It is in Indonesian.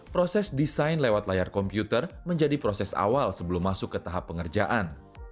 proses desain lewat layar komputer menjadi proses awal sebelum masuk ke tahap pengerjaan